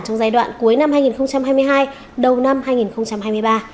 trong giai đoạn cuối năm hai nghìn hai mươi hai đầu năm hai nghìn hai mươi ba